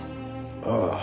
ああ。